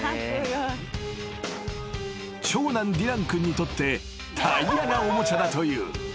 ［長男ディラン君にとってタイヤがおもちゃだという］